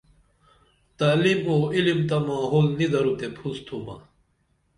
تعلیم او علم تہ ماحول نی درو تے پُھس تُھمہ